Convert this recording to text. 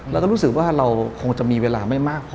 เราก็รู้สึกว่าเราคงจะมีเวลาไม่มากพอ